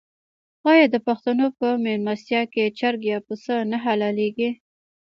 آیا د پښتنو په میلمستیا کې چرګ یا پسه نه حلاليږي؟